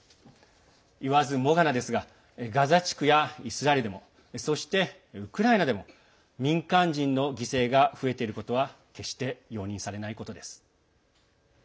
言わずもがなですがガザ地区やイスラエルでもそしてウクライナでも民間人の犠牲が増えていることは決して容認されないことです。